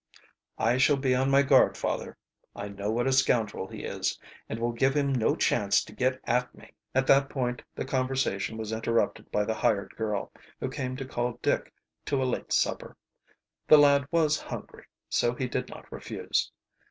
"I shall be on my guard, father. I know what a scoundrel he is, and will give him no chance to get at me." At that point the conversation was interrupted by the hired girl, who came to call Dick to a late supper. The lad was hungry, so he did not refuse.